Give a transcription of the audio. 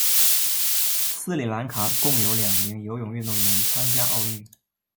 斯里兰卡共有两名游泳运动员参加奥运。